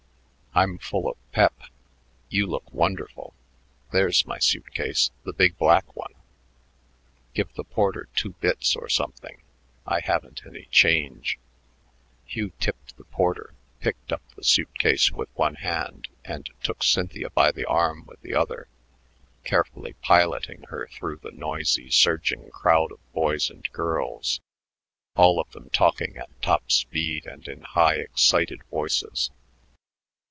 "I'm full of pep. You look wonderful. There's my suit case, the big black one. Give the porter two bits or something. I haven't any change." Hugh tipped the porter, picked up the suit case with one hand, and took Cynthia by the arm with the other, carefully piloting her through the noisy, surging crowd of boys and girls, all of them talking at top speed and in high, excited voices.